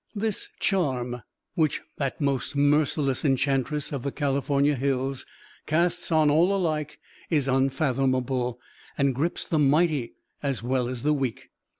This charm, which that most merciless Enchantress of the California Hills casts on all alike, is unfathomable, and grips the mighty as well as the weak.